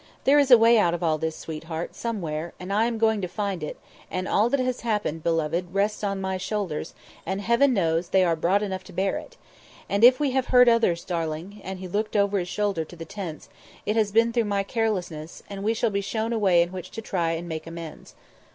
There is a way out of all this, sweetheart, somewhere, and I am going to find it, and all that has happened, beloved, rests on my shoulders, and heaven knows they are broad enough to bear it. And if we have hurt others, darling," and he looked over his shoulder to the tents, "it has been through my carelessness, and we shall be shown a way in which to try and make amends.